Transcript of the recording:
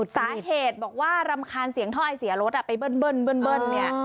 สาเหตุบอกว่ารำคาญเสียงท่อไอเสียรถอ่ะไปเบิ้ลเบิ้ลเบิ้ลเบิ้ลเนี้ย